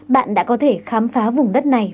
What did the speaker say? bạn đã có thể khám phá vùng đất này